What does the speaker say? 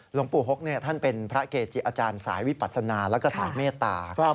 หลวงปู่หกท่านเป็นพระเกจิอาจารย์สายวิปัศนาแล้วก็สายเมตตา